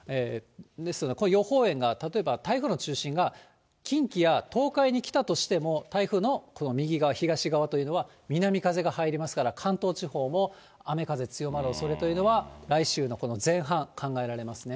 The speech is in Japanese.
ですので、予報円が例えば台風の中心が近畿や東海に来たとしても、台風の右側、東側というのは南風が入りますから、関東地方も、雨風強まるおそれというのは、来週のこの前半、考えられますね。